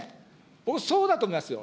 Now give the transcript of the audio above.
僕、そうだと思いますよ。